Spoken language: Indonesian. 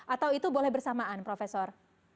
atau itu boleh bersamaan profesor